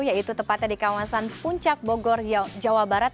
yaitu tepatnya di kawasan puncak bogor jawa barat